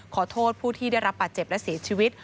ขอโทษผู้ที่ได้รับบาดเจ็บและเสียชีวิต